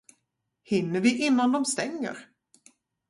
Hinner vi innan de stänger?